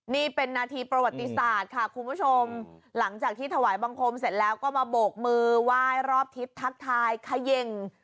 นี่เป็นนาทีประวัติศาสตร์ค่ะคุณผู้ชมหลังจากที่ถวายบังคมเสร็จแล้วก็มาโบกมือไหว้รอบทิศทักทายเขย่ง